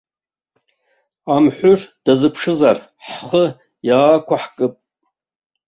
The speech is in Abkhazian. Амҳәыр иазԥшызар ҳхы иаақәҳкып.